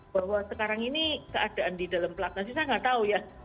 bahwa sekarang ini keadaan di dalam pelaknas sih saya nggak tahu ya